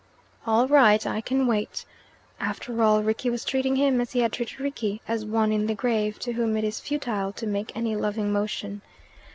"All right, I can wait." After all, Rickie was treating him as he had treated Rickie, as one in the grave, to whom it is futile to make any loving motion.